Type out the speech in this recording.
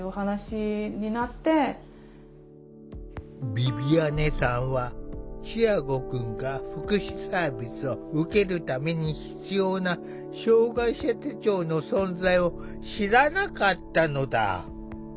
ヴィヴィアネさんはチアゴくんが福祉サービスを受けるために必要な障害者手帳の存在を知らなかったのだ。